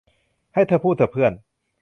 ให้เธอพูดเถอะเพื่อน